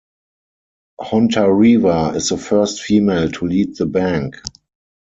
Hontareva is the first female to lead the bank.